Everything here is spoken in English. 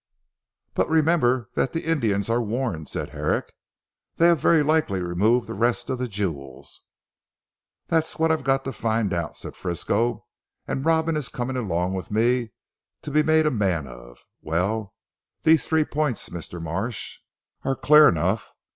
"But remember that the Indians are warned," said Herrick, "they have very likely removed the rest of the jewels." "That's what I've got to find out," said Frisco, "and Robin is coming along with me to be made a man of. Well, these three points, Mr. Marsh, are clear enough.